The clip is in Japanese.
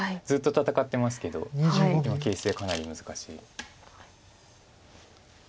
ずっと戦ってますけど今形勢かなリ難しい。